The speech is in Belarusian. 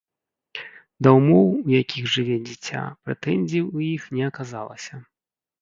Да ўмоў, у якіх жыве дзіця, прэтэнзій у іх не аказалася.